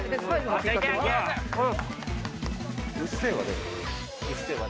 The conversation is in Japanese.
『うっせぇわ』。